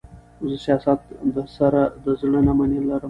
زه سياست د سره د زړه نه مينه لرم.